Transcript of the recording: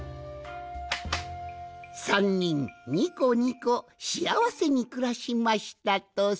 ３にんにこにこしあわせにくらしましたとさ。